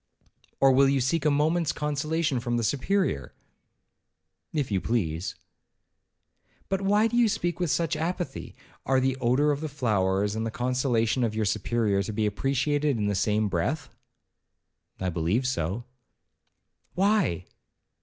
'Or will you seek a moment's consolation from the Superior?' 'If you please.' 'But why do you speak with such apathy? are the odour of the flowers, and the consolations of your Superior, to be appreciated in the same breath?' 'I believe so.' 'Why?'